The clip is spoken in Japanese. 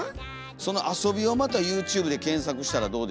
その遊びをまたＹｏｕＴｕｂｅで検索したらどうでしょうか。